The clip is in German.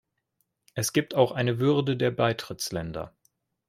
Es gibt auch eine Würde der Beitrittsländer.